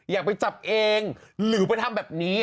อยากไปจับเองหรือไปทำแบบนี้